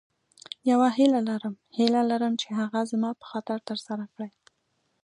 یوه هیله لرم هیله لرم چې هغه زما په خاطر تر سره کړې.